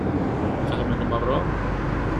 Fehmen meṛṛa?